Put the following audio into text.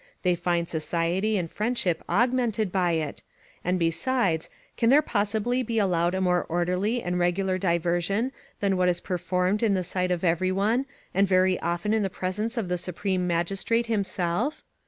They find society and friendship augmented by it; and besides, can there possibly be allowed a more orderly and regular diversion than what is performed m the sight of every one, and very often in the presence of the supreme magistrate himself?